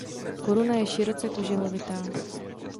Koruna je široce kuželovitá.